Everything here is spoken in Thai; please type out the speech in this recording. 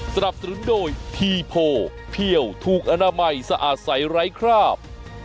สนับสนุนโดยทีโพเพี่ยวถูกอนามัยสะอาดใสไร้คราบ